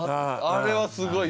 あれはすごい。